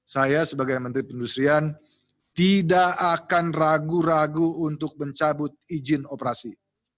saya sebagai menteri pendustrian tidak akan ragu ragu untuk mencabut izin operasi